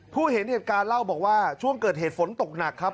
เห็นเหตุการณ์เล่าบอกว่าช่วงเกิดเหตุฝนตกหนักครับ